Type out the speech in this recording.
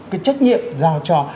cái trách nhiệm giao cho